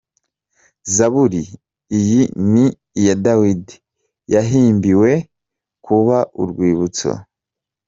Zaburi iyi ni iya Dawidi, yahimbiwe kuba urwibutso.